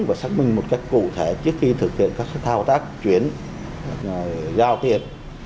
và xác minh một cách cụ thể trước khi thực hiện các thao tác chuyển giao tiền